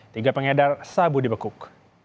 tiga pengedar sabu dibekuk